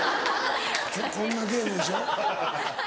こんなゲームでしょ。